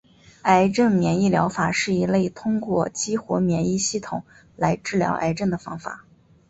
癌症免疫疗法是一类通过激活免疫系统来治疗癌症的方法。